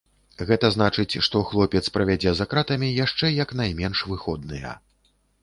Гэта значыць, што хлопец правядзе за кратамі яшчэ як найменш выходныя.